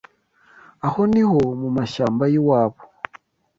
Aho niho mu mashyamba yiwabo